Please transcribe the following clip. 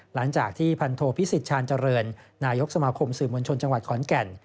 หลังจากที่พันโทพิสิทธิชาญเจริญนายกสมาคมสื่อมวลชนจังหวัดขอนแก่น